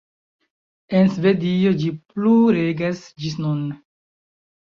En Svedio ĝi plu regas ĝis nun.